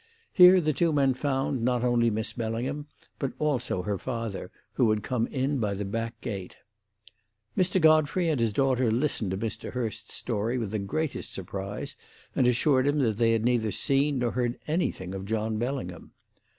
Here the two men found, not only Miss Bellingham, but also her father, who had come in by the back gate. "Mr. Godfrey and his daughter listened to Mr. Hurst's story with the greatest surprise, and assured him that they had neither seen nor heard anything of John Bellingham.